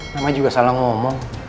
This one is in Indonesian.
nama juga salah ngomong